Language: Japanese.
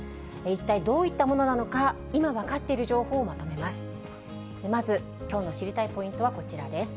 一体、どういったものなのか、今分かっている情報をまとめます。